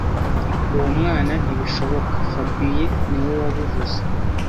Uwo mwana ntibishoboka fabien niwe wabivuze